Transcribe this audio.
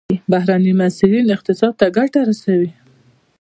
بهرني محصلین اقتصاد ته ګټه رسوي.